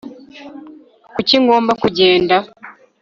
kuki ngomba kugenda